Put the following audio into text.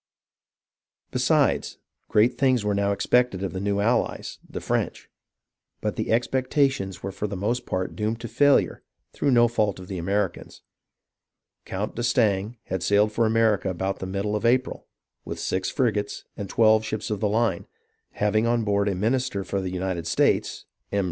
Besides, great things were now expected of the new allies, the French ; but the expectations were for the most part doomed to failure through no fault of the Americans. Count d'Estaing had sailed for America about the middle of April, with six frigates and twelve ships of the line, having on board a minister for the United States [M.